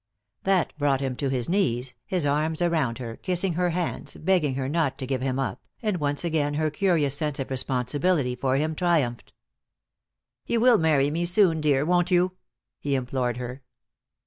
That brought him to his knees, his arms around her, kissing her hands, begging her not to give him up, and once again her curious sense of responsibility for him triumphed. "You will marry me soon, dear, won't you?" he implored her.